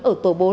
ở tổ bốn